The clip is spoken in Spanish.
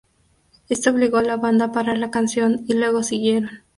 Esto obligó a la banda a parar la canción, y luego siguieron.